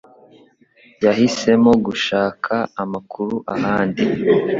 Yahisemo gushaka amakuru ahandi